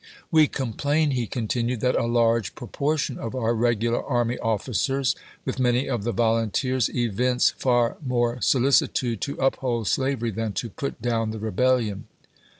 "We complain," he con tinued, " that a large proportion of our regular army officers, with many of the volunteers, evince far more solicitude to uphold slavery than to put down the Rebellion."